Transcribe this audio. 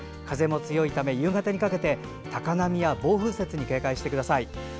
風も強いため、夕方にかけて高波や暴風雪に警戒してください。